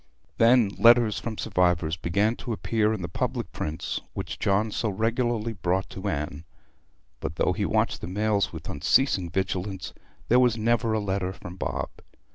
Then letters from survivors began to appear in the public prints which John so regularly brought to Anne; but though he watched the mails with unceasing vigilance there was never a letter from Bob.